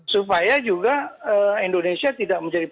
supaya juga indonesia tidak menjadi